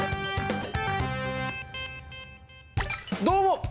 どうも！